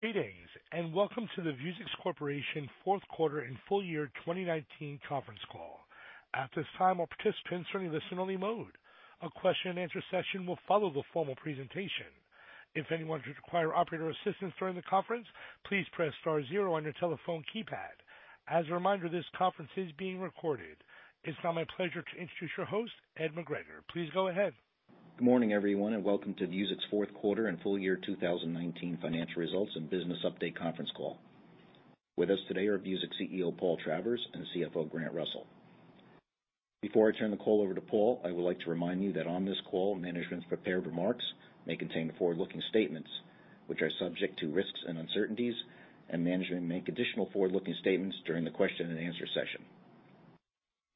Greetings, and welcome to the Vuzix Corporation fourth quarter and full year 2019 conference call. At this time, all participants are in listen only mode. A question and answer session will follow the formal presentation. If anyone should require operator assistance during the conference, please press star zero on your telephone keypad. As a reminder, this conference is being recorded. It's now my pleasure to introduce your host, Ed McGregor. Please go ahead. Good morning, everyone, and welcome to Vuzix fourth quarter and full year 2019 financial results and business update conference call. With us today are Vuzix CEO, Paul Travers, and CFO, Grant Russell. Before I turn the call over to Paul, I would like to remind you that on this call, management's prepared remarks may contain forward-looking statements which are subject to risks and uncertainties, and management may make additional forward-looking statements during the question and answer session.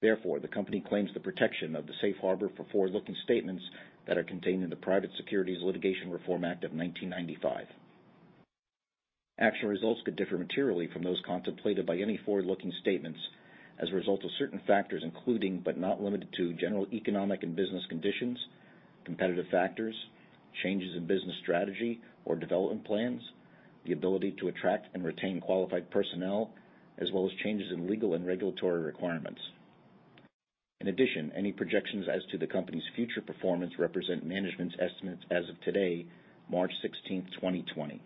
Therefore, the company claims the protection of the safe harbor for forward-looking statements that are contained in the Private Securities Litigation Reform Act of 1995. Actual results could differ materially from those contemplated by any forward-looking statements as a result of certain factors, including, but not limited to, general economic and business conditions, competitive factors, changes in business strategy or development plans, the ability to attract and retain qualified personnel, as well as changes in legal and regulatory requirements. In addition, any projections as to the company's future performance represent management's estimates as of today, March 16th, 2020.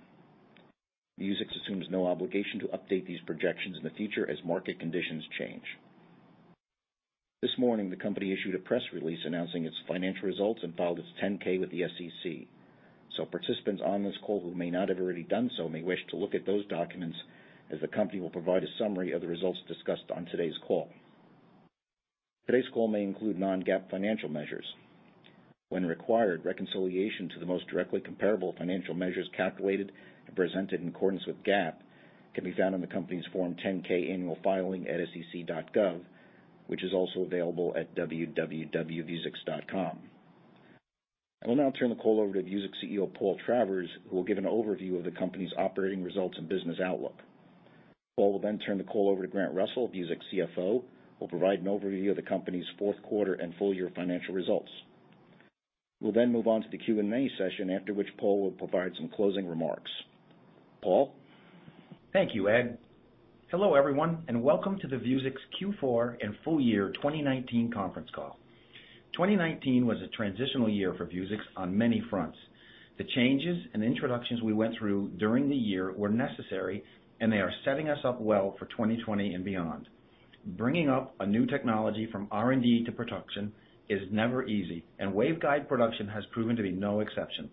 Vuzix assumes no obligation to update these projections in the future as market conditions change. This morning, the company issued a press release announcing its financial results and filed its 10-K with the SEC. Participants on this call who may not have already done so, may wish to look at those documents, as the company will provide a summary of the results discussed on today's call. Today's call may include non-GAAP financial measures. When required, reconciliation to the most directly comparable financial measures calculated and presented in accordance with GAAP can be found in the company's Form 10-K annual filing at sec.gov, which is also available at www.vuzix.com. I will now turn the call over to Vuzix CEO, Paul Travers, who will give an overview of the company's operating results and business outlook. Paul will turn the call over to Grant Russell, Vuzix CFO, who will provide an overview of the company's fourth quarter and full year financial results. We'll move on to the Q&A session, after which Paul will provide some closing remarks. Paul? Thank you, Ed. Hello, everyone, and welcome to the Vuzix Q4 and full year 2019 conference call. 2019 was a transitional year for Vuzix on many fronts. The changes and introductions we went through during the year were necessary, they are setting us up well for 2020 and beyond. Bringing up a new technology from R&D to production is never easy, waveguide production has proven to be no exception.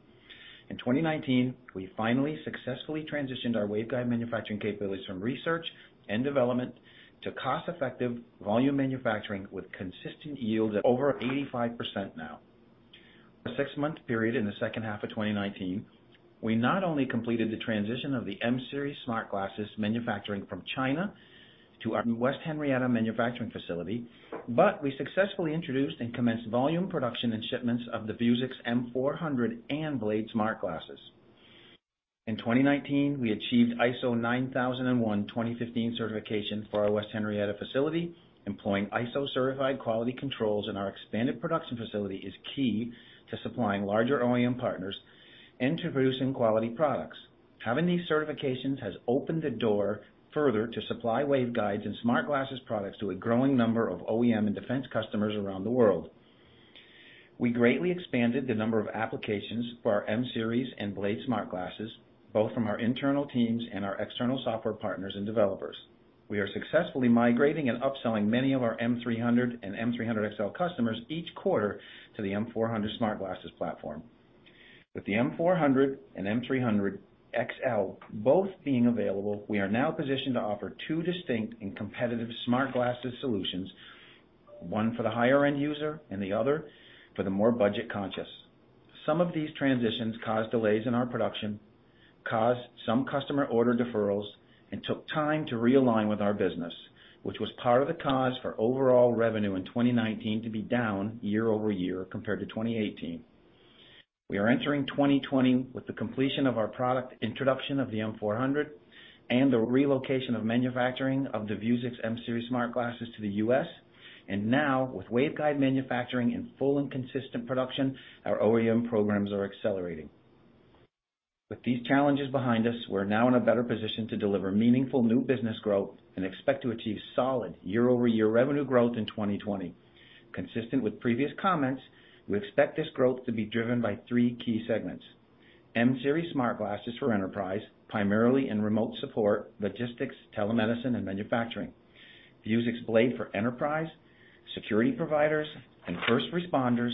In 2019, we finally successfully transitioned our waveguide manufacturing capabilities from research and development to cost-effective volume manufacturing with consistent yields at over 85% now. For a six-month period in the second half of 2019, we not only completed the transition of the M-Series smart glasses manufacturing from China to our West Henrietta manufacturing facility, we successfully introduced and commenced volume production and shipments of the Vuzix M400 and Blade smart glasses. In 2019, we achieved ISO 9001:2015 certification for our West Henrietta facility. Employing ISO-certified quality controls in our expanded production facility is key to supplying larger OEM partners and to producing quality products. Having these certifications has opened the door further to supply waveguides and smart glasses products to a growing number of OEM and defense customers around the world. We greatly expanded the number of applications for our M-Series and Blade smart glasses, both from our internal teams and our external software partners and developers. We are successfully migrating and upselling many of our M300 and M300XL customers each quarter to the M400 smart glasses platform. With the M400 and M300XL both being available, we are now positioned to offer two distinct and competitive smart glasses solutions, one for the higher-end user and the other for the more budget-conscious. Some of these transitions caused delays in our production, caused some customer order deferrals, and took time to realign with our business, which was part of the cause for overall revenue in 2019 to be down year-over-year compared to 2018. We are entering 2020 with the completion of our product introduction of the M400 and the relocation of manufacturing of the Vuzix M-Series smart glasses to the U.S. Now, with waveguide manufacturing in full and consistent production, our OEM programs are accelerating. With these challenges behind us, we're now in a better position to deliver meaningful new business growth and expect to achieve solid year-over-year revenue growth in 2020. Consistent with previous comments, we expect this growth to be driven by three key segments. M-Series smart glasses for enterprise, primarily in remote support, logistics, telemedicine, and manufacturing. Vuzix Blade for enterprise, security providers, and first responders,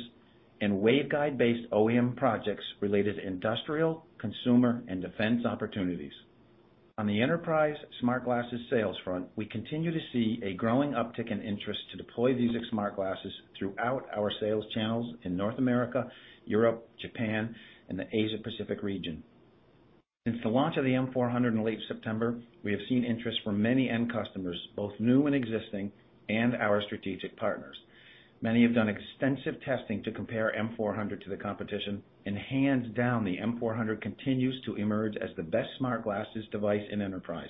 and waveguide-based OEM projects related to industrial, consumer, and defense opportunities. On the enterprise smart glasses sales front, we continue to see a growing uptick in interest to deploy Vuzix smart glasses throughout our sales channels in North America, Europe, Japan, and the Asia Pacific region. Since the launch of the M400 in late September, we have seen interest from many end customers, both new and existing, and our strategic partners. Many have done extensive testing to compare M400 to the competition, and hands down, the M400 continues to emerge as the best smart glasses device in enterprise.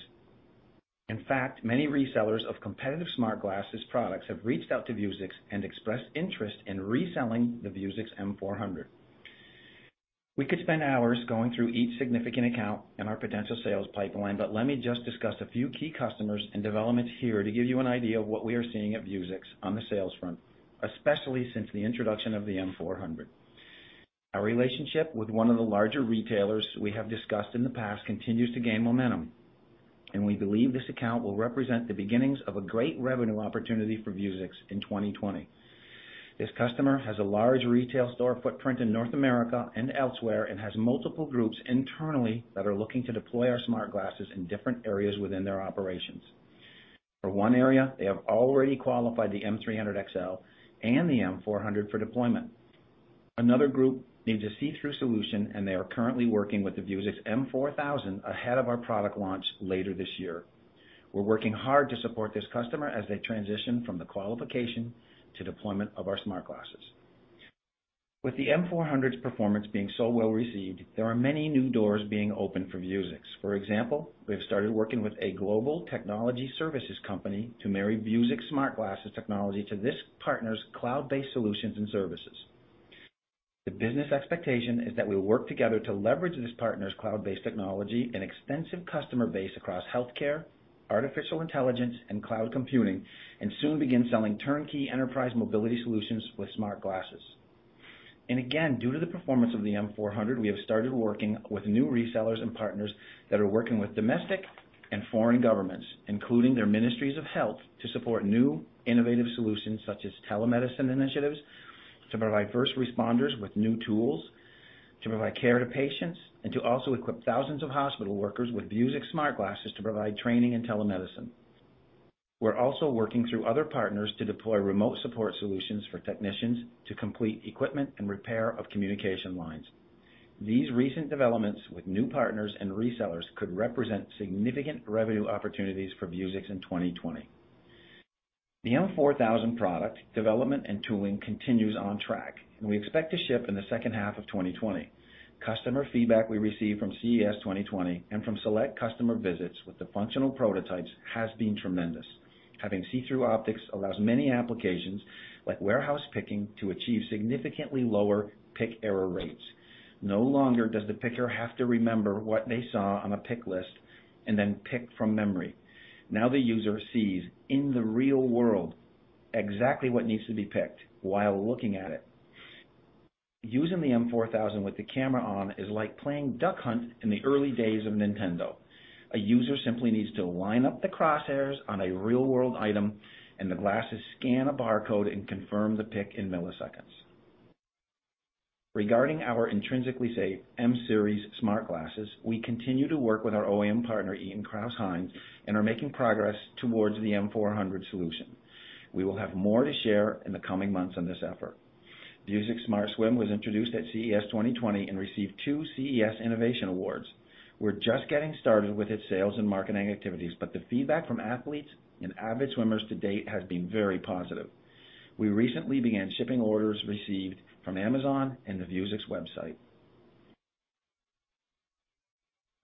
In fact, many resellers of competitive smart glasses products have reached out to Vuzix and expressed interest in reselling the Vuzix M400. We could spend hours going through each significant account in our potential sales pipeline, but let me just discuss a few key customers and developments here to give you an idea of what we are seeing at Vuzix on the sales front, especially since the introduction of the M400. Our relationship with one of the larger retailers we have discussed in the past continues to gain momentum, and we believe this account will represent the beginnings of a great revenue opportunity for Vuzix in 2020. This customer has a large retail store footprint in North America and elsewhere and has multiple groups internally that are looking to deploy our smart glasses in different areas within their operations. For one area, they have already qualified the M300XL and the M400 for deployment. Another group needs a see-through solution, and they are currently working with the Vuzix M4000 ahead of our product launch later this year. We're working hard to support this customer as they transition from the qualification to deployment of our smart glasses. With the M400's performance being so well-received, there are many new doors being opened for Vuzix. For example, we have started working with a global technology services company to marry Vuzix smart glasses technology to this partner's cloud-based solutions and services. The business expectation is that we'll work together to leverage this partner's cloud-based technology and extensive customer base across healthcare, artificial intelligence, and cloud computing, and soon begin selling turnkey enterprise mobility solutions with smart glasses. Again, due to the performance of the M400, we have started working with new resellers and partners that are working with domestic and foreign governments, including their ministries of health, to support new, innovative solutions such as telemedicine initiatives, to provide first responders with new tools, to provide care to patients, and to also equip thousands of hospital workers with Vuzix smart glasses to provide training in telemedicine. These recent developments with new partners and resellers could represent significant revenue opportunities for Vuzix in 2020. The M4000 product development and tooling continues on track, and we expect to ship in the second half of 2020. Customer feedback we received from CES 2020 and from select customer visits with the functional prototypes has been tremendous. Having see-through optics allows many applications, like warehouse picking, to achieve significantly lower pick error rates. No longer does the picker have to remember what they saw on a pick list and then pick from memory. Now the user sees in the real world exactly what needs to be picked while looking at it. Using the M4000 with the camera on is like playing Duck Hunt in the early days of Nintendo. A user simply needs to line up the crosshairs on a real-world item, and the glasses scan a barcode and confirm the pick in milliseconds. Regarding our intrinsically safe M Series smart glasses, we continue to work with our OEM partner, Ian Kraus Heinz, and are making progress towards the M400 solution. We will have more to share in the coming months on this effort. Vuzix Smart Swim was introduced at CES 2020 and received two CES Innovation Awards. We're just getting started with its sales and marketing activities. The feedback from athletes and avid swimmers to date has been very positive. We recently began shipping orders received from Amazon and the Vuzix website.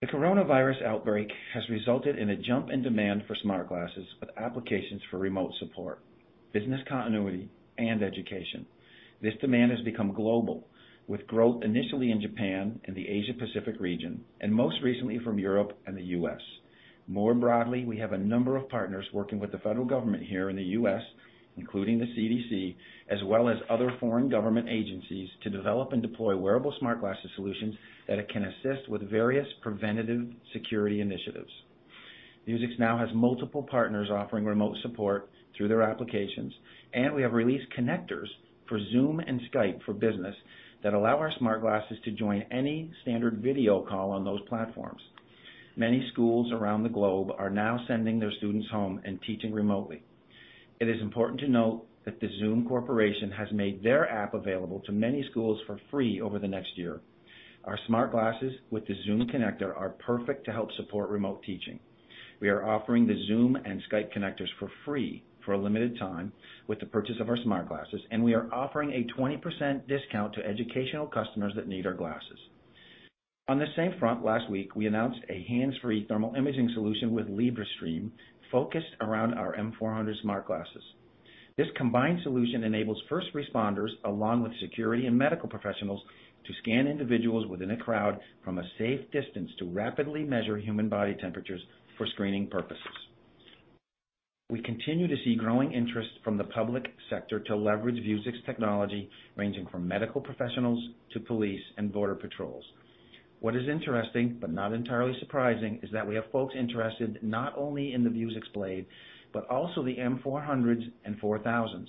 The coronavirus outbreak has resulted in a jump in demand for smart glasses with applications for remote support, business continuity, and education. This demand has become global, with growth initially in Japan and the Asia Pacific region, and most recently from Europe and the U.S. More broadly, we have a number of partners working with the federal government here in the U.S., including the CDC, as well as other foreign government agencies, to develop and deploy wearable smart glasses solutions that can assist with various preventative security initiatives. Vuzix now has multiple partners offering remote support through their applications. We have released connectors for Zoom and Skype for Business that allow our smart glasses to join any standard video call on those platforms. Many schools around the globe are now sending their students home and teaching remotely. It is important to note that the Zoom Corporation has made their app available to many schools for free over the next year. Our smart glasses with the Zoom connector are perfect to help support remote teaching. We are offering the Zoom and Skype for Business connectors for free for a limited time with the purchase of our smart glasses. We are offering a 20% discount to educational customers that need our glasses. On the same front, last week, we announced a hands-free thermal imaging solution with Librestream focused around our M400 smart glasses. This combined solution enables first responders, along with security and medical professionals, to scan individuals within a crowd from a safe distance to rapidly measure human body temperatures for screening purposes. We continue to see growing interest from the public sector to leverage Vuzix technology, ranging from medical professionals to police and border patrols. What is interesting, but not entirely surprising, is that we have folks interested not only in the Vuzix Blade, but also the M400s and 4000s.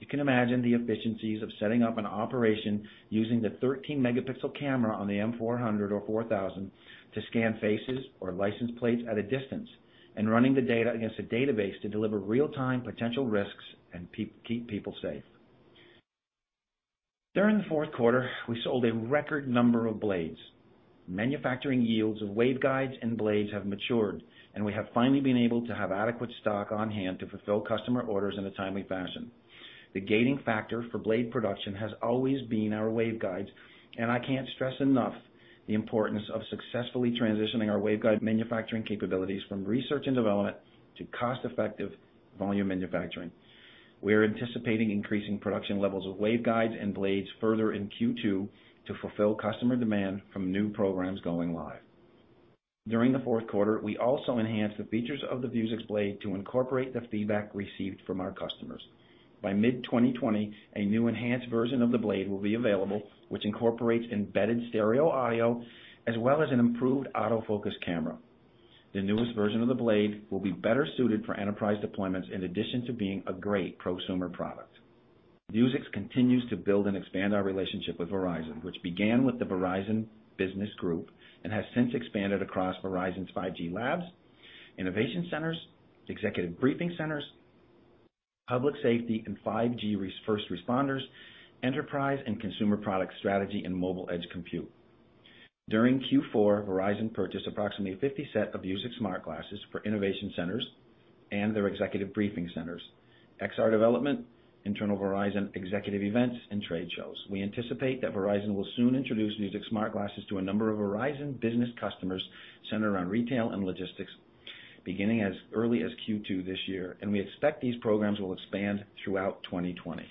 You can imagine the efficiencies of setting up an operation using the 13-megapixel camera on the M400 or 4000 to scan faces or license plates at a distance and running the data against a database to deliver real-time potential risks and keep people safe. During the fourth quarter, we sold a record number of Blades. Manufacturing yields of waveguides and Blades have matured, and we have finally been able to have adequate stock on hand to fulfill customer orders in a timely fashion. The gating factor for Blade production has always been our waveguides, and I can't stress enough the importance of successfully transitioning our waveguide manufacturing capabilities from research and development to cost-effective volume manufacturing. We're anticipating increasing production levels of waveguides and Blades further in Q2 to fulfill customer demand from new programs going live. During the fourth quarter, we also enhanced the features of the Vuzix Blade to incorporate the feedback received from our customers. By mid-2020, a new enhanced version of the Blade will be available, which incorporates embedded stereo audio as well as an improved autofocus camera. The newest version of the Blade will be better suited for enterprise deployments in addition to being a great prosumer product. Vuzix continues to build and expand our relationship with Verizon, which began with the Verizon business group and has since expanded across Verizon's 5G labs, innovation centers, executive briefing centers, public safety and 5G first responders, enterprise and consumer product strategy, and Mobile Edge Compute. During Q4, Verizon purchased approximately 50 set of Vuzix smart glasses for innovation centers and their executive briefing centers, XR development, internal Verizon executive events, and trade shows. We anticipate that Verizon will soon introduce Vuzix smart glasses to a number of Verizon business customers centered around retail and logistics beginning as early as Q2 this year, and we expect these programs will expand throughout 2020.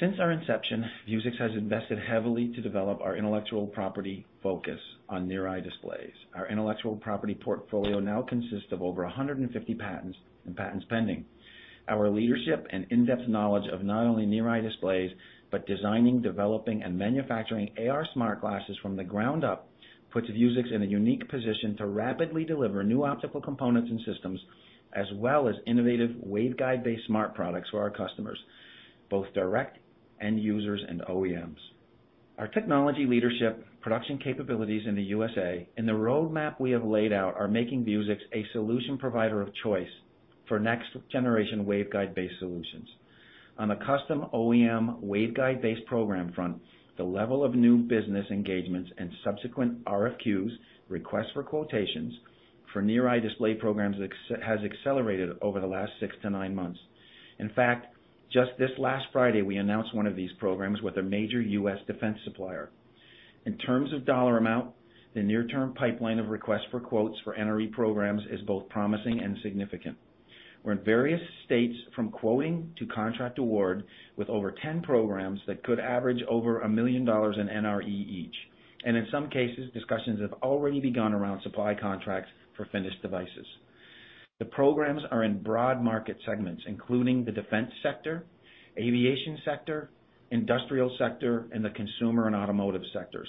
Since our inception, Vuzix has invested heavily to develop our intellectual property focus on near-eye displays. Our intellectual property portfolio now consists of over 150 patents and patents pending. Our leadership and in-depth knowledge of not only near-eye displays, but designing, developing, and manufacturing AR smart glasses from the ground up puts Vuzix in a unique position to rapidly deliver new optical components and systems, as well as innovative waveguide-based smart products for our customers, both direct end users and OEMs. Our technology leadership, production capabilities in the U.S.A., and the roadmap we have laid out are making Vuzix a solution provider of choice for next-generation waveguide-based solutions. On the custom OEM waveguide-based program front, the level of new business engagements and subsequent RFQs, requests for quotations, for near-eye display programs has accelerated over the last six to nine months. In fact, just this last Friday, we announced one of these programs with a major U.S. defense supplier. In terms of dollar amount, the near-term pipeline of requests for quotes for NRE programs is both promising and significant. We're in various states from quoting to contract award with over 10 programs that could average over $1 million in NRE each. In some cases, discussions have already begun around supply contracts for finished devices. The programs are in broad market segments, including the defense sector, aviation sector, industrial sector, and the consumer and automotive sectors.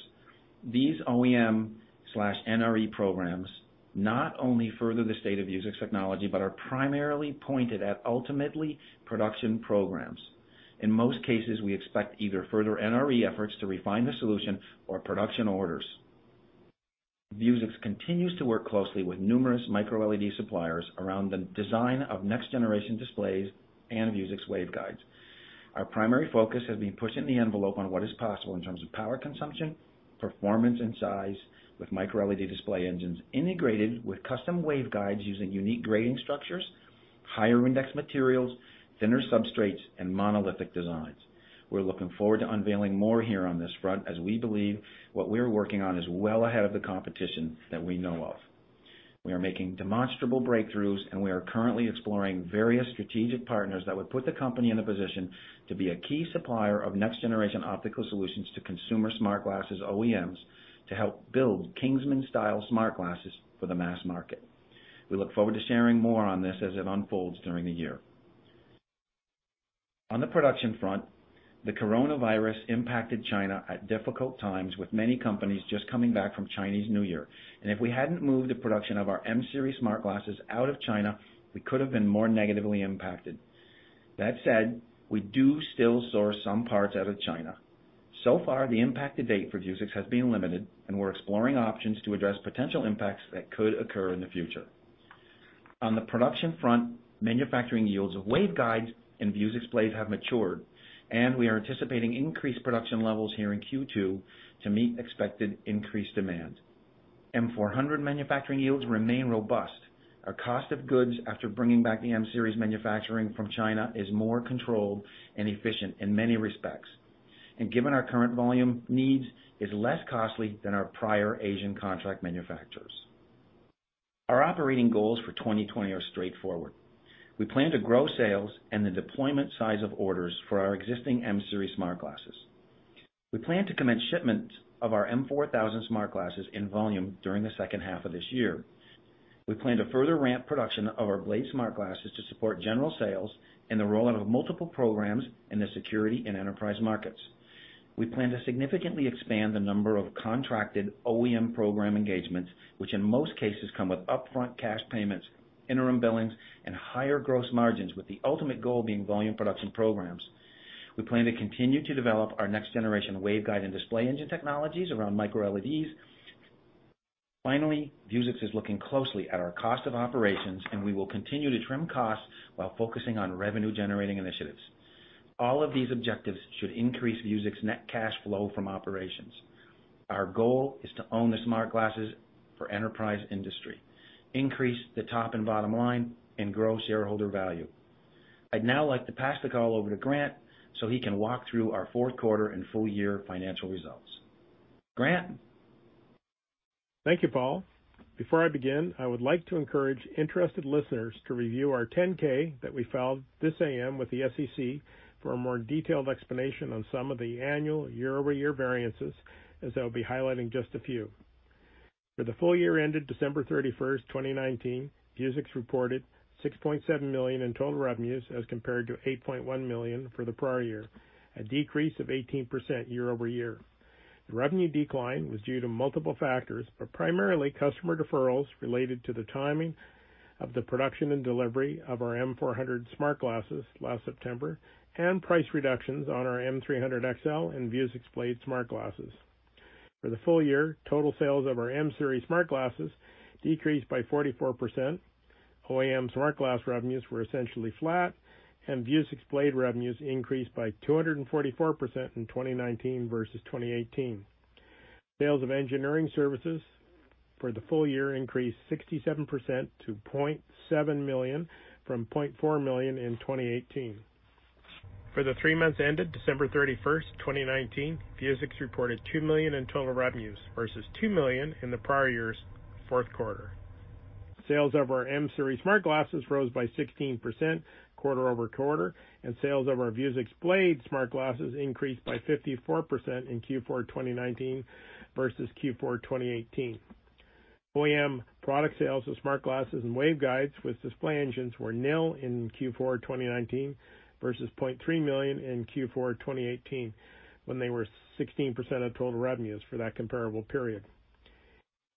These OEM/NRE programs not only further the state of Vuzix technology, but are primarily pointed at ultimately production programs. In most cases, we expect either further NRE efforts to refine the solution or production orders. Vuzix continues to work closely with numerous Micro-LED suppliers around the design of next-generation displays and Vuzix waveguides. Our primary focus has been pushing the envelope on what is possible in terms of power consumption, performance, and size with Micro-LED display engines integrated with custom waveguides using unique grading structures, higher index materials, thinner substrates, and monolithic designs. We're looking forward to unveiling more here on this front as we believe what we're working on is well ahead of the competition that we know of. We are making demonstrable breakthroughs, and we are currently exploring various strategic partners that would put the company in a position to be a key supplier of next generation optical solutions to consumer smart glasses OEMs to help build Kingsman-style smart glasses for the mass market. We look forward to sharing more on this as it unfolds during the year. On the production front, the coronavirus impacted China at difficult times with many companies just coming back from Chinese New Year. If we hadn't moved the production of our M Series smart glasses out of China, we could have been more negatively impacted. That said, we do still source some parts out of China. So far, the impact to date for Vuzix has been limited, and we're exploring options to address potential impacts that could occur in the future. On the production front, manufacturing yields of waveguides in Vuzix Blade have matured, and we are anticipating increased production levels here in Q2 to meet expected increased demand. M400 manufacturing yields remain robust. Our cost of goods after bringing back the M Series manufacturing from China is more controlled and efficient in many respects. Given our current volume needs, is less costly than our prior Asian contract manufacturers. Our operating goals for 2020 are straightforward. We plan to grow sales and the deployment size of orders for our existing M-Series smart glasses. We plan to commence shipments of our M4000 smart glasses in volume during the second half of this year. We plan to further ramp production of our Blade smart glasses to support general sales and the rollout of multiple programs in the security and enterprise markets. We plan to significantly expand the number of contracted OEM program engagements, which in most cases come with upfront cash payments, interim billings, and higher gross margins, with the ultimate goal being volume production programs. We plan to continue to develop our next-generation waveguide and display engine technologies around Micro-LEDs. Finally, Vuzix is looking closely at our cost of operations, and we will continue to trim costs while focusing on revenue-generating initiatives. All of these objectives should increase Vuzix's net cash flow from operations. Our goal is to own the smart glasses for enterprise industry, increase the top and bottom line, and grow shareholder value. I'd now like to pass the call over to Grant so he can walk through our fourth quarter and full year financial results. Grant? Thank you, Paul. Before I begin, I would like to encourage interested listeners to review our 10-K that we filed this AM with the SEC for a more detailed explanation on some of the annual year-over-year variances, as I'll be highlighting just a few. For the full year ended December 31st, 2019, Vuzix reported $6.7 million in total revenues as compared to $8.1 million for the prior year, a decrease of 18% year-over-year. The revenue decline was due to multiple factors, but primarily customer deferrals related to the timing of the production and delivery of our M400 smart glasses last September, and price reductions on our M300XL and Vuzix Blade smart glasses. For the full year, total sales of our M-Series smart glasses decreased by 44%, OEM smart glass revenues were essentially flat, and Vuzix Blade revenues increased by 244% in 2019 versus 2018. Sales of engineering services for the full year increased 67% to $0.7 million from $0.4 million in 2018. For the three months ended December 31st, 2019, Vuzix reported $2 million in total revenues versus $2 million in the prior year's fourth quarter. Sales of our M-Series smart glasses rose by 16% quarter-over-quarter, and sales of our Vuzix Blade smart glasses increased by 54% in Q4 2019 versus Q4 2018. OEM product sales of smart glasses and waveguides with display engines were nil in Q4 2019 versus $0.3 million in Q4 2018, when they were 16% of total revenues for that comparable period.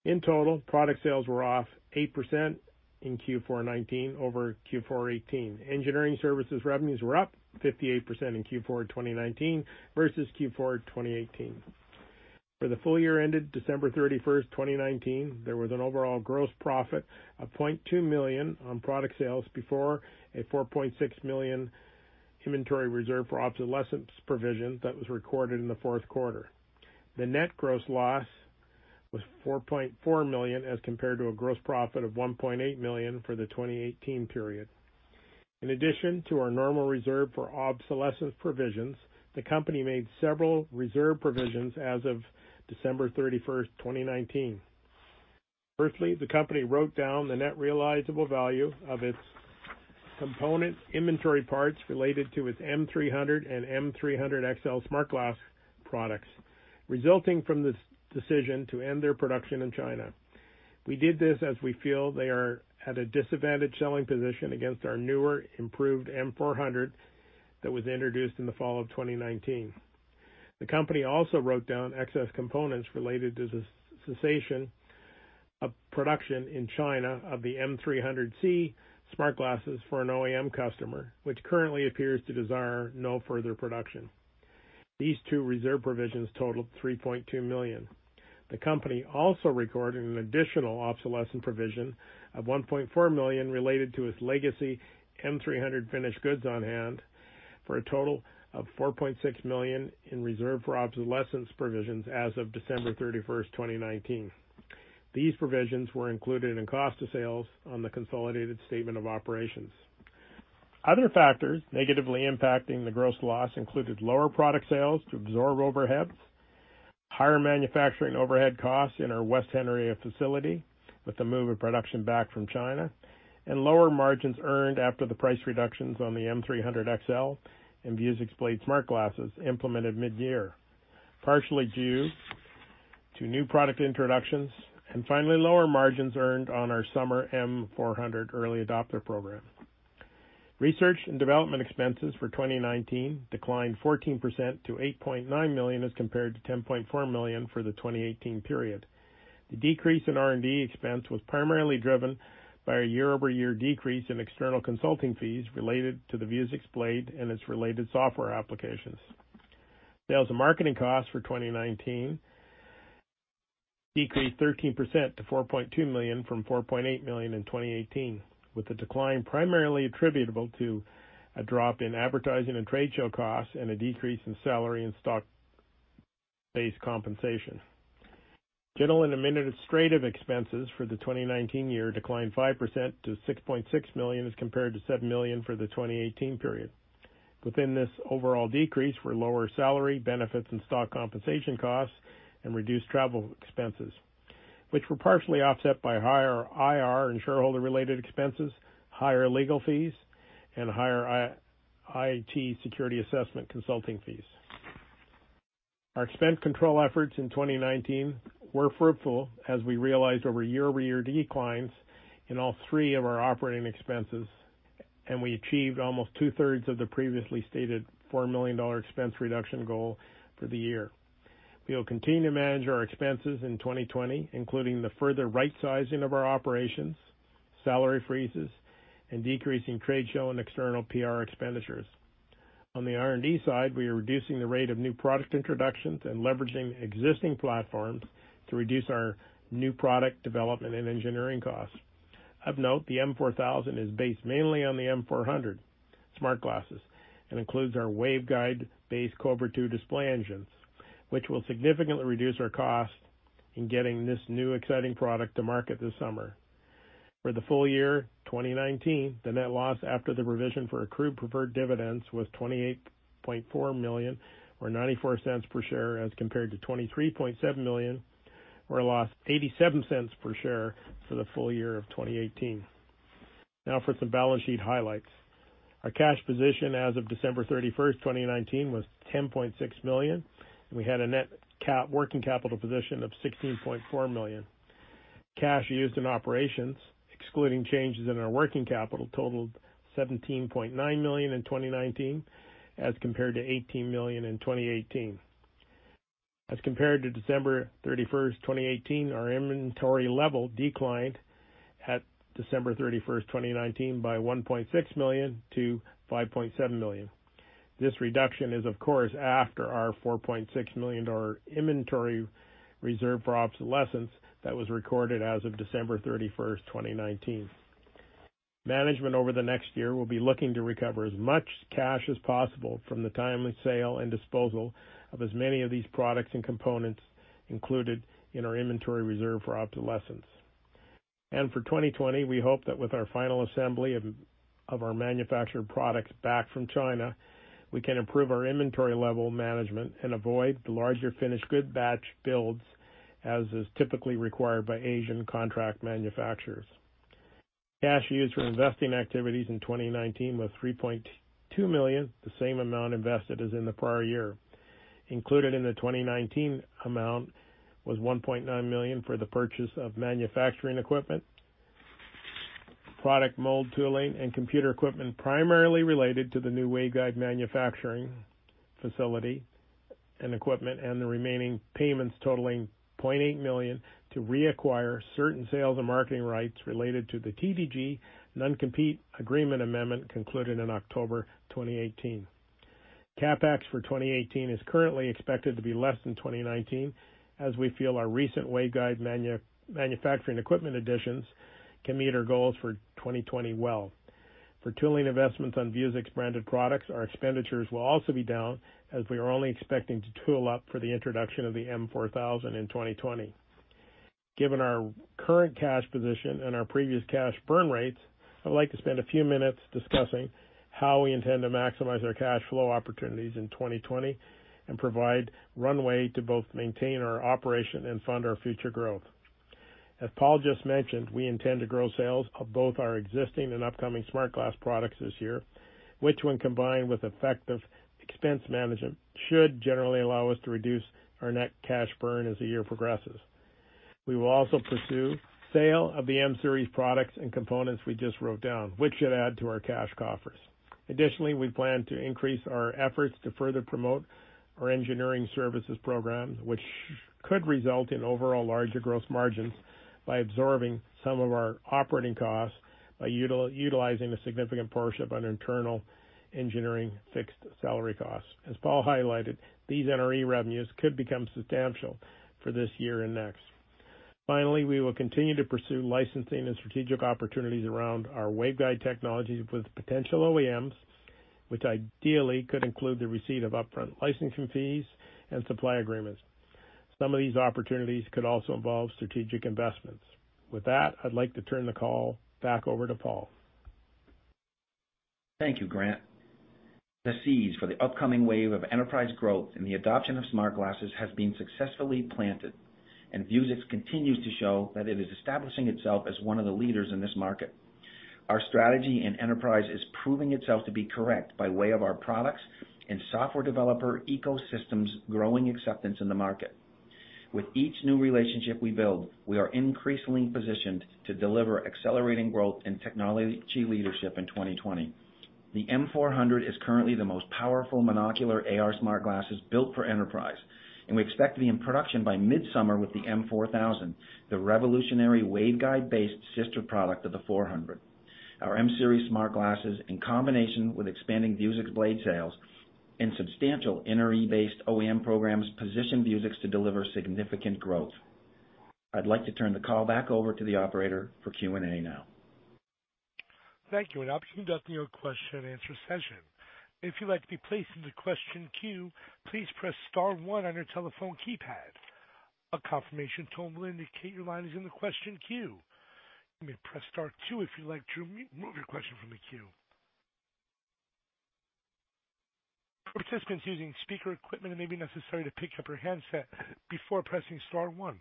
In total, product sales were off 8% in Q4 2019 over Q4 2018. Engineering services revenues were up 58% in Q4 2019 versus Q4 2018. For the full year ended December 31st, 2019, there was an overall gross profit of $0.2 million on product sales before a $4.6 million inventory reserve for obsolescence provision that was recorded in the fourth quarter. The net gross loss was $4.4 million, as compared to a gross profit of $1.8 million for the 2018 period. In addition to our normal reserve for obsolescence provisions, the company made several reserve provisions as of December 31st, 2019. Firstly, the company wrote down the net realizable value of its component inventory parts related to its M300 and M300XL smart glass products, resulting from the decision to end their production in China. We did this as we feel they are at a disadvantaged selling position against our newer, improved M400 that was introduced in the fall of 2019. The company also wrote down excess components related to the cessation of production in China of the M300C smart glasses for an OEM customer, which currently appears to desire no further production. These two reserve provisions totaled $3.2 million. The company also recorded an additional obsolescence provision of $1.4 million related to its legacy M300 finished goods on hand, for a total of $4.6 million in reserve for obsolescence provisions as of December 31st, 2019. These provisions were included in cost of sales on the consolidated statement of operations. Other factors negatively impacting the gross loss included lower product sales to absorb overheads, higher manufacturing overhead costs in our West Henrietta facility with the move of production back from China, and lower margins earned after the price reductions on the M300XL and Vuzix Blade smart glasses implemented mid-year, partially due to new product introductions, and finally, lower margins earned on our summer M400 early adopter program. Research and development expenses for 2019 declined 14% to $8.9 million, as compared to $10.4 million for the 2018 period. The decrease in R&D expense was primarily driven by a year-over-year decrease in external consulting fees related to the Vuzix Blade and its related software applications. Sales and marketing costs for 2019 decreased 13% to $4.2 million from $4.8 million in 2018, with the decline primarily attributable to a drop in advertising and trade show costs and a decrease in salary and stock-based compensation. General and administrative expenses for the 2019 year declined 5% to $6.6 million as compared to $7 million for the 2018 period. Within this overall decrease were lower salary, benefits, and stock compensation costs and reduced travel expenses, which were partially offset by higher IR and shareholder-related expenses, higher legal fees, and higher IT security assessment consulting fees. Our expense control efforts in 2019 were fruitful as we realized over year-over-year declines in all three of our operating expenses, and we achieved almost two-thirds of the previously stated $4 million expense reduction goal for the year. We will continue to manage our expenses in 2020, including the further right sizing of our operations, salary freezes, and decreasing trade show and external PR expenditures. On the R&D side, we are reducing the rate of new product introductions and leveraging existing platforms to reduce our new product development and engineering costs. Of note, the M4000 is based mainly on the M400 smart glasses and includes our waveguide-based Cobra II display engines, which will significantly reduce our cost in getting this new exciting product to market this summer. For the full year 2019, the net loss after the provision for accrued preferred dividends was $28.4 million, or $0.94 per share, as compared to $23.7 million, or a loss of $0.87 per share for the full year of 2018. Now for some balance sheet highlights. Our cash position as of December 31st, 2019 was $10.6 million, and we had a net working capital position of $16.4 million. Cash used in operations, excluding changes in our working capital totaled $17.9 million in 2019 as compared to $18 million in 2018. As compared to December 31st, 2018 our inventory level declined at December 31st, 2019 by $1.6 million-$5.7 million. This reduction is of course, after our $4.6 million inventory reserve for obsolescence that was recorded as of December 31st, 2019. Management over the next year will be looking to recover as much cash as possible from the timely sale and disposal of as many of these products and components included in our inventory reserve for obsolescence. For 2020, we hope that with our final assembly of our manufactured products back from China, we can improve our inventory level management and avoid the larger finished good batch builds as is typically required by Asian contract manufacturers. Cash used for investing activities in 2019 was $3.2 million, the same amount invested as in the prior year. Included in the 2019 amount was $1.9 million for the purchase of manufacturing equipment, product mold tooling, and computer equipment primarily related to the new waveguide manufacturing facility and equipment and the remaining payments totaling $0.8 million to reacquire certain sales and marketing rights related to the TDG non-compete agreement amendment concluded in October 2018. CapEx for 2018 is currently expected to be less than 2019 as we feel our recent waveguide manufacturing equipment additions can meet our goals for 2020 well. For tooling investments on Vuzix branded products, our expenditures will also be down as we are only expecting to tool up for the introduction of the M4000 in 2020. Given our current cash position and our previous cash burn rates, I'd like to spend a few minutes discussing how we intend to maximize our cash flow opportunities in 2020 and provide runway to both maintain our operation and fund our future growth. As Paul just mentioned, we intend to grow sales of both our existing and upcoming smart glass products this year, which when combined with effective expense management, should generally allow us to reduce our net cash burn as the year progresses. We will also pursue sale of the M-Series products and components we just wrote down, which should add to our cash coffers. Additionally, we plan to increase our efforts to further promote our engineering services programs, which could result in overall larger gross margins by absorbing some of our operating costs by utilizing a significant portion of our internal engineering fixed salary costs. As Paul highlighted, these NRE revenues could become substantial for this year and next. Finally, we will continue to pursue licensing and strategic opportunities around our waveguide technologies with potential OEMs, which ideally could include the receipt of upfront licensing fees and supply agreements. Some of these opportunities could also involve strategic investments. With that, I'd like to turn the call back over to Paul. Thank you, Grant. The seeds for the upcoming wave of enterprise growth and the adoption of smart glasses has been successfully planted, and Vuzix continues to show that it is establishing itself as one of the leaders in this market. Our strategy in enterprise is proving itself to be correct by way of our products and software developer ecosystems growing acceptance in the market. With each new relationship we build, we are increasingly positioned to deliver accelerating growth and technology leadership in 2020. The M400 is currently the most powerful monocular AR smart glasses built for enterprise, and we expect to be in production by mid-summer with the M4000, the revolutionary waveguide-based sister product of the 400. Our M-Series smart glasses, in combination with expanding Vuzix Blade sales and substantial NRE-based OEM programs, position Vuzix to deliver significant growth. I'd like to turn the call back over to the operator for Q&A now. Thank you. We're now conducting your question and answer session. If you'd like to be placed into the question queue, please press star one on your telephone keypad. A confirmation tone will indicate your line is in the question queue. You may press star two if you'd like to remove your question from the queue. Participants using speaker equipment, it may be necessary to pick up your handset before pressing star one.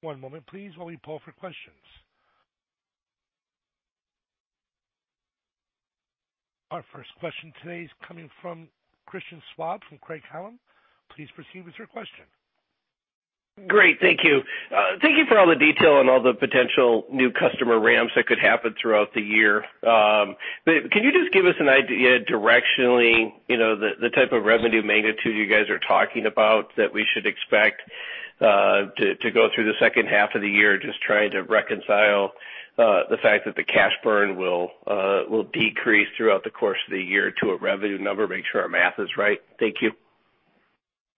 One moment please while we poll for questions. Our first question today is coming from Christian Schwab from Craig-Hallum. Please proceed with your question. Great. Thank you. Thank you for all the detail on all the potential new customer ramps that could happen throughout the year. Can you just give us an idea directionally, the type of revenue magnitude you guys are talking about that we should expect to go through the second half of the year? Just trying to reconcile the fact that the cash burn will decrease throughout the course of the year to a revenue number. Make sure our math is right. Thank you.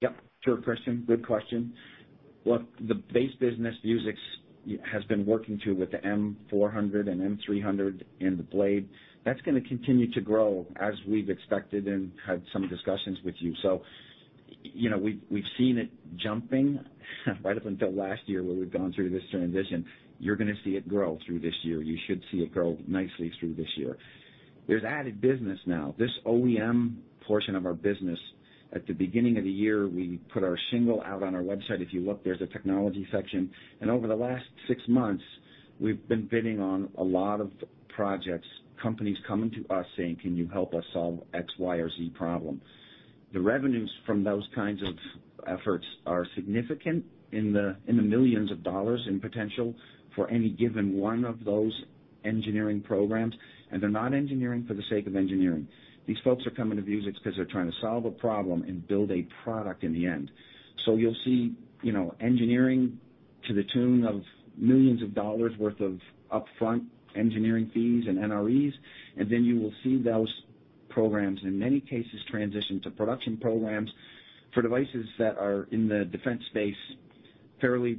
Yep. Sure, Christian. Good question. Look, the base business Vuzix has been working to with the M400 and M300 and the Blade, that's going to continue to grow as we've expected and had some discussions with you. We've seen it jumping right up until last year where we've gone through this transition. You're going to see it grow through this year. You should see it grow nicely through this year. There's added business now. This OEM portion of our business, at the beginning of the year, we put our shingle out on our website. If you look, there's a technology section. Over the last six months, we've been bidding on a lot of projects, companies coming to us saying, "Can you help us solve X, Y, or Z problem?" The revenues from those kinds of efforts are significant, in the millions of dollars in potential for any given one of those engineering programs. They're not engineering for the sake of engineering. These folks are coming to Vuzix because they're trying to solve a problem and build a product in the end. You'll see engineering to the tune of millions of dollars worth of upfront engineering fees and NREs, and then you will see those programs, in many cases, transition to production programs for devices that are in the defense space fairly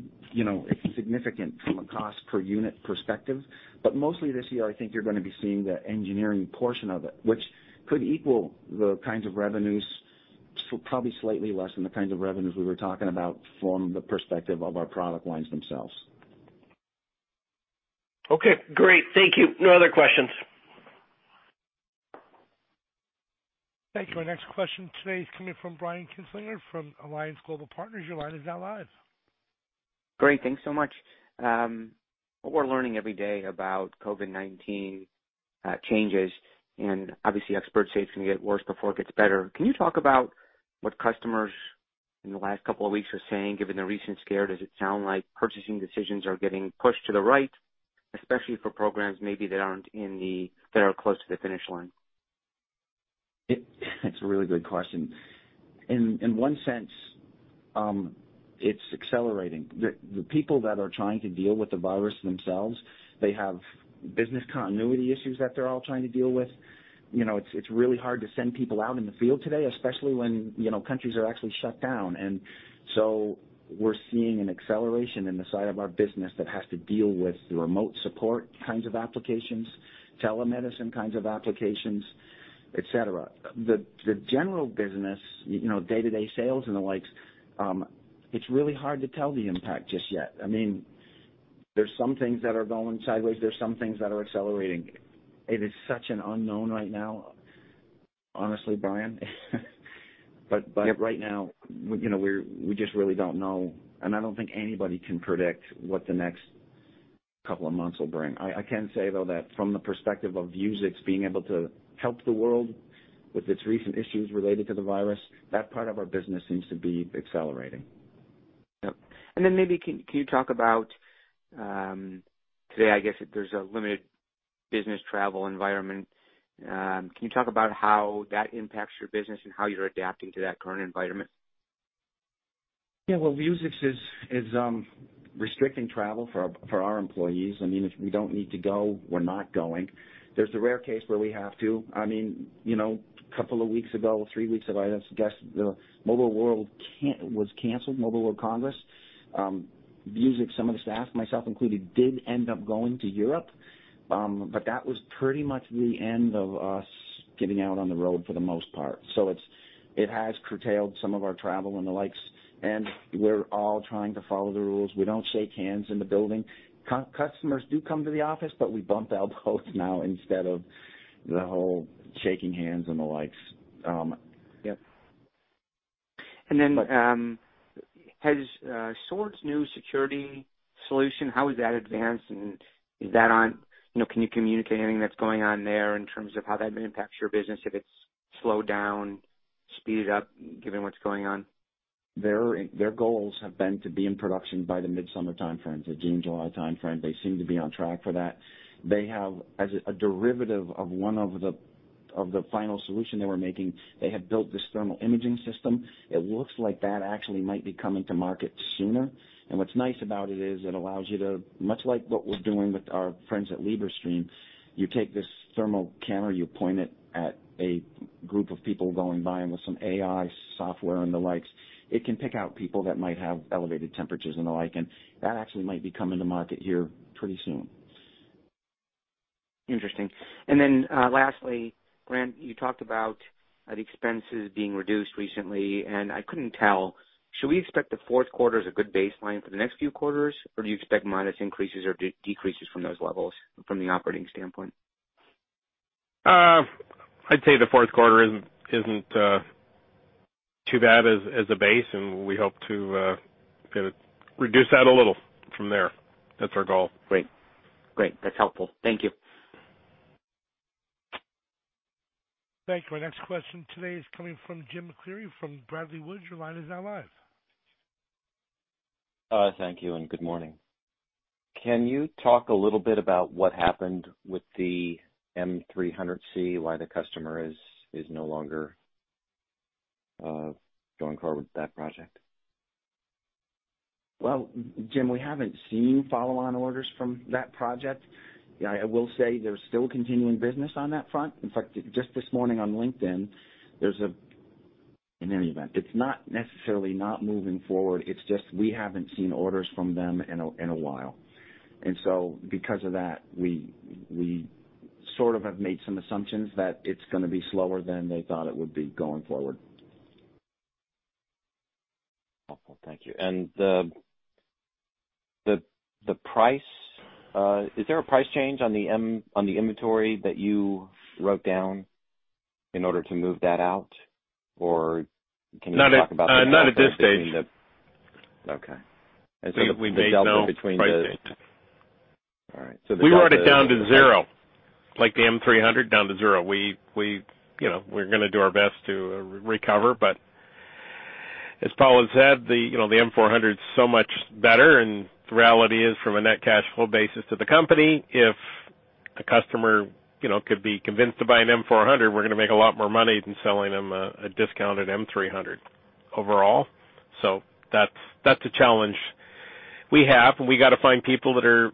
significant from a cost per unit perspective. Mostly this year, I think you're going to be seeing the engineering portion of it, which could equal the kinds of revenues, probably slightly less than the kinds of revenues we were talking about from the perspective of our product lines themselves. Okay, great. Thank you. No other questions. Thank you. Our next question today is coming from Brian Kinstlinger from Alliance Global Partners. Your line is now live. Great. Thanks so much. We're learning every day about COVID-19 changes, and obviously experts say it's going to get worse before it gets better. Can you talk about what customers in the last couple of weeks are saying, given the recent scare? Does it sound like purchasing decisions are getting pushed to the right, especially for programs maybe that are close to the finish line? That's a really good question. In one sense, it's accelerating. The people that are trying to deal with the virus themselves, they have business continuity issues that they're all trying to deal with. It's really hard to send people out in the field today, especially when countries are actually shut down. We're seeing an acceleration in the side of our business that has to deal with remote support kinds of applications, telemedicine kinds of applications, et cetera. The general business, day-to-day sales and the likes, it's really hard to tell the impact just yet. There's some things that are going sideways. There's some things that are accelerating. It is such an unknown right now, honestly, Brian, but right now, we just really don't know. I don't think anybody can predict what the next couple of months will bring. I can say, though, that from the perspective of Vuzix being able to help the world with its recent issues related to the virus, that part of our business seems to be accelerating. Yep. Maybe, can you talk about, today, I guess there's a limited business travel environment. Can you talk about how that impacts your business and how you're adapting to that current environment? Yeah. Well, Vuzix is restricting travel for our employees. If we don't need to go, we're not going. There's the rare case where we have to. A couple of weeks ago, three weeks ago, I guess, the Mobile World was canceled, Mobile World Congress. Vuzix, some of the staff, myself included, did end up going to Europe. That was pretty much the end of us getting out on the road for the most part. It has curtailed some of our travel and the likes, and we're all trying to follow the rules. We don't shake hands in the building. Customers do come to the office, but we bump elbows now instead of the whole shaking hands and the likes. Yep. Has Sword's new security solution, how has that advanced? Can you communicate anything that's going on there in terms of how that impacts your business, if it's slowed down, speeded up, given what's going on? Their goals have been to be in production by the mid-summer timeframe, the June/July timeframe. They seem to be on track for that. They have, as a derivative of one of the final solution they were making, they had built this thermal imaging system. It looks like that actually might be coming to market sooner. What's nice about it is it allows you to, much like what we're doing with our friends at Librestream, you take this thermal camera, you point it at a group of people going by, and with some AI software and the likes, it can pick out people that might have elevated temperatures and the like. That actually might be coming to market here pretty soon. Interesting. Lastly, Grant, you talked about the expenses being reduced recently, and I couldn't tell, should we expect the fourth quarter as a good baseline for the next few quarters, or do you expect modest increases or decreases from those levels from the operating standpoint? I'd say the fourth quarter isn't too bad as a base. We hope to reduce that a little from there. That's our goal. Great. That's helpful. Thank you. Thank you. Our next question today is coming from Jim McCleary from Bradley Woods. Your line is now live. Thank you, and good morning. Can you talk a little bit about what happened with the M300C, why the customer is no longer going forward with that project? Well, Jim, we haven't seen follow-on orders from that project. I will say there's still continuing business on that front. In fact, just this morning on LinkedIn, In any event, it's not necessarily not moving forward, it's just we haven't seen orders from them in a while. Because of that, we sort of have made some assumptions that it's going to be slower than they thought it would be going forward. Helpful. Thank you. The price, is there a price change on the inventory that you wrote down in order to move that out? Not at this stage. Okay. We made no price change. All right. The delta- We wrote it down to zero, like the M300 down to zero. We're going to do our best to recover, but as Paul has said, the M400's so much better, and the reality is from a net cash flow basis to the company, if a customer could be convinced to buy an M400, we're going to make a lot more money than selling them a discounted M300 overall. That's a challenge we have, and we got to find people that are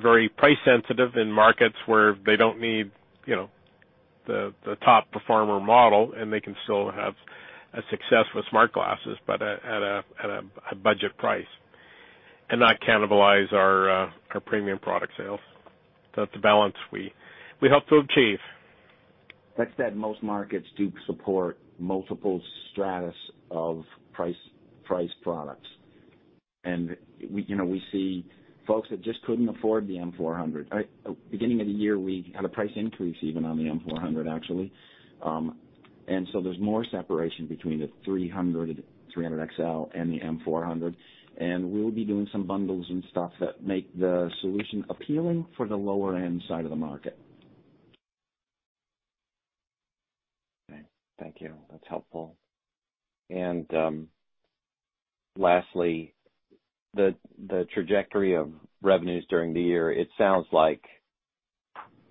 very price sensitive in markets where they don't need the top performer model, and they can still have a success with smart glasses, but at a budget price, and not cannibalize our premium product sales. That's a balance we hope to achieve. That said, most markets do support multiple stratas of price products. We see folks that just couldn't afford the M400. Beginning of the year, we had a price increase even on the M400, actually. There's more separation between the M300, M300XL, and the M400. We'll be doing some bundles and stuff that make the solution appealing for the lower-end side of the market. Okay. Thank you. That's helpful. Lastly, the trajectory of revenues during the year, it sounds like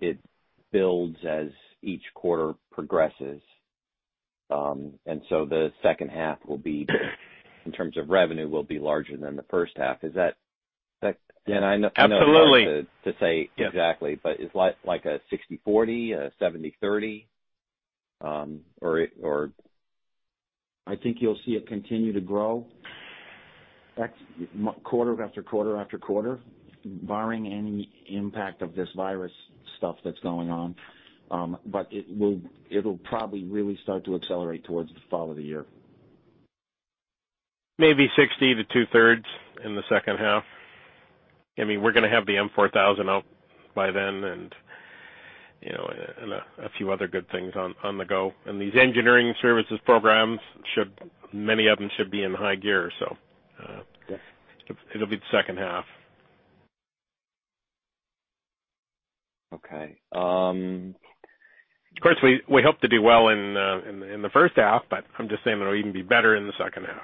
it builds as each quarter progresses. The second half will be, in terms of revenue, will be larger than the first half. Is that? Absolutely. I know it's hard to say exactly, but is like a 60/40, a 70/30, or? I think you'll see it continue to grow quarter after quarter after quarter, barring any impact of this virus stuff that's going on. It'll probably really start to accelerate towards the fall of the year. Maybe 60% to 2/3 in the second half. We're going to have the M4000 out by then and a few other good things on the go. These engineering services programs, many of them should be in high gear. Yes it'll be the second half. Okay. Of course, we hope to do well in the first half, but I'm just saying that it'll even be better in the second half.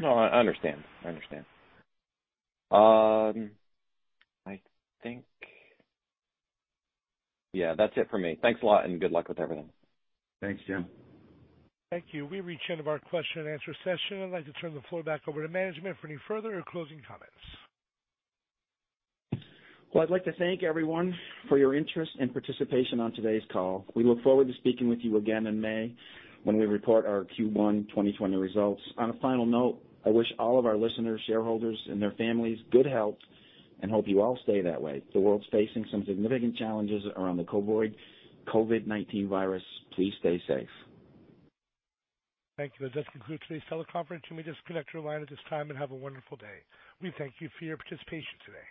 No, I understand. I think Yeah, that's it for me. Thanks a lot, and good luck with everything. Thanks, Jim. Thank you. We've reached the end of our question and answer session. I'd like to turn the floor back over to management for any further or closing comments. Well, I'd like to thank everyone for your interest and participation on today's call. We look forward to speaking with you again in May when we report our Q1 2020 results. On a final note, I wish all of our listeners, shareholders, and their families good health and hope you all stay that way. The world's facing some significant challenges around the COVID-19 virus. Please stay safe. Thank you. That concludes today's teleconference. You may disconnect your line at this time, and have a wonderful day. We thank you for your participation today.